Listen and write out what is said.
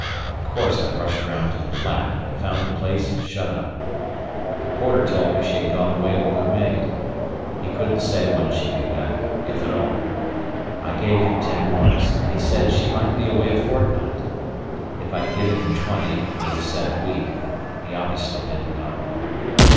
Of course I rushed round to the flat, but found the place shut up. The porter told me she had gone away with her maid. He couldn't say when she'd be back if at all! I gave him ten marks, and he said she might be away a fortnight. If I'd given him twenty he'd have said a week; he obviously didn't know.